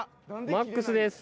マックスです。